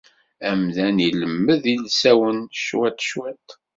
Amdan ilemmed ilsawen cwiṭ, cwiṭ.